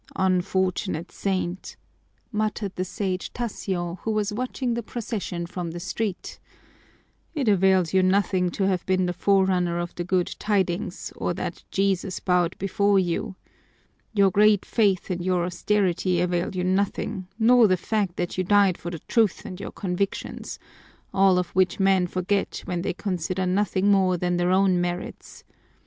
"Unfortunate saint!" muttered the Sage Tasio, who was watching the procession from the street, "it avails you nothing to have been the forerunner of the Good Tidings or that Jesus bowed before you! Your great faith and your austerity avail you nothing, nor the fact that you died for the truth and your convictions, all of which men forget when they consider nothing more than their own merits.